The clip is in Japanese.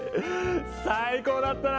最高だったな。